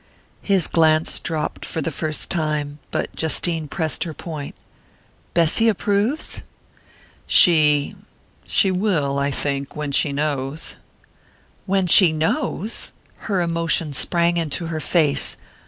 His glance dropped for the first time, but Justine pressed her point. "Bessy approves?" "She she will, I think when she knows " "When she knows?" Her emotion sprang into her face.